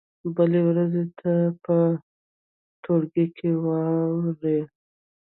بلې ورځې ته یې په ټولګي کې واورئ.